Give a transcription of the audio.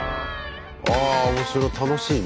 ああ面白い。